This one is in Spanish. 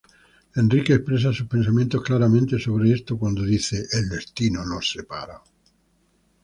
Enrique expresa sus pensamientos claramente sobre este cuando dice: "El destino nos separa.